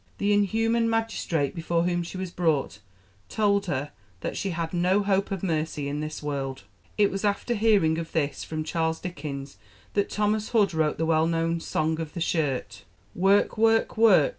The inhuman magistrate before whom she was brought told her that she had "no hope of mercy in this world." It was after hearing of this from Charles Dickens that Thomas Hood wrote the well known "Song of the Shirt": Work work work!